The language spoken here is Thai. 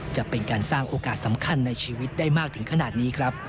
จะเป็นการสร้างโอกาสสำคัญในชีวิตได้มากถึงขนาดนี้ครับ